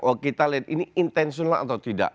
oh kita lihat ini intensional atau tidak